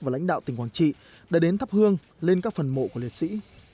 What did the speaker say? và lãnh đạo tỉnh quảng trị đã đến thắp hương lên các phần mộ của liệt sĩ